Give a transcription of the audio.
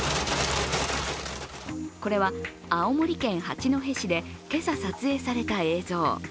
これは青森県八戸市で今朝撮影された映像。